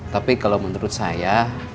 tapi kalau menurut saya